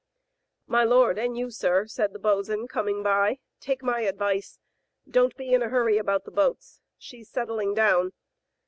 "My lord and you, sir," said the bos'n, coming by, "take my advice. Don't be in a hurry about the boats. She's settling down.